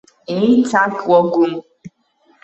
Еицакуа гәым.